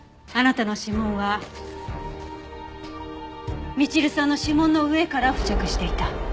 あなたの指紋はみちるさんの指紋の上から付着していた。